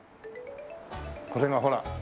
これがほら！